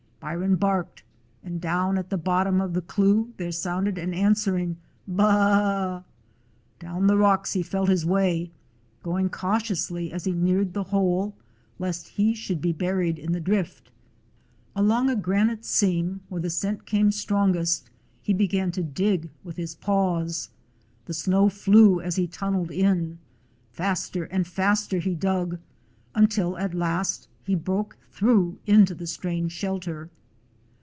Byron barked, and down at the bottom of the cleuch there sounded an answering "Baa!" Down the rocks he felt his way, going cau tiously as he neared the hole, lest he should be buried in the drift. Along a granite seam, 138 A DOG OF SCOTLAND where the scent came strongest, he began to dig with his paws. The snow flew as he tun neled in; faster and faster he dug, until at last he broke through into the strange shelter.